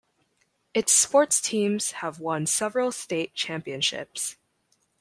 Its sports teams have won several state championships.